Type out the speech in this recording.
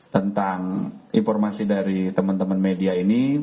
tentang informasi dari teman teman media ini